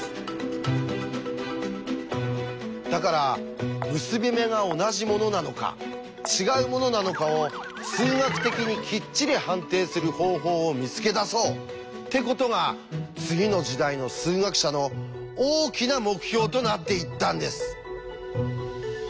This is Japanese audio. だから結び目が同じものなのか違うものなのかを数学的にきっちり判定する方法を見つけ出そうってことが次の時代の数学者の大きな目標となっていったんです。